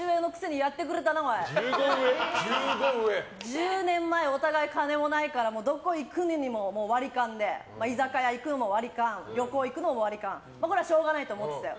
１０年前、お互い金もないからどこに行くにも割り勘で居酒屋に行くのも割り勘旅行行くのも割り勘それはしょうがないと思ってたよ。